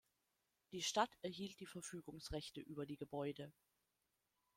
Die Stadt erhielt die Verfügungsrechte über die Gebäude.